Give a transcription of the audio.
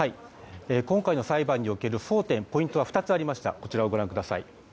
今回の裁判における争点ポイントは２つありました。